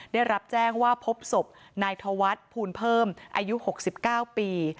ได้รับแจ้งว่าพบศพนายธวัฒน์ภูลเพิ่มอายุ๖๙ปี